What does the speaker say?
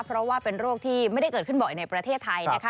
เพราะว่าเป็นโรคที่ไม่ได้เกิดขึ้นบ่อยในประเทศไทยนะคะ